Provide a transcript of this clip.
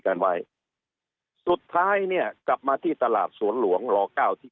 กันไว้สุดท้ายเนี่ยกลับมาที่ตลาดสวนหลวงลเก้าที่